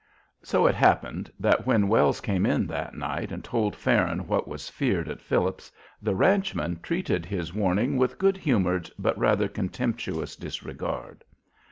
So it happened that when Wells came in that night and told Farron what was feared at Phillips's, the ranchman treated his warning with good humored but rather contemptuous disregard.